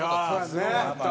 すごかった！